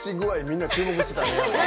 みんな注目してたね。